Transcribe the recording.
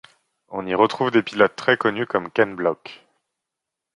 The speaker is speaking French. On y retrouve des pilotes très connus comme Ken Block.